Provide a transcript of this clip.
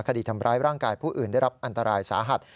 คดีทำร้ายร่างกายผู้อื่นได้รับอันตรายสาหัส